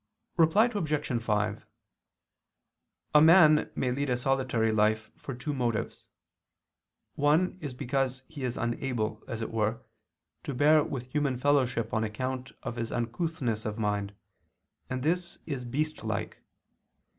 Reply Obj. 5: A man may lead a solitary life for two motives. One is because he is unable, as it were, to bear with human fellowship on account of his uncouthness of mind; and this is beast like.